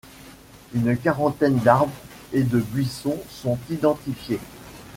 Une quarantaine d'arbres et de buissons sont identifiés.